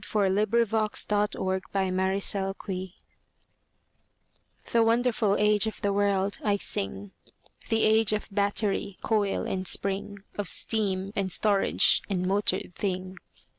THE AGE OF MOTORED THINGS The wonderful age of the world I sing— The age of battery, coil and spring, Of steam, and storage, and motored thing.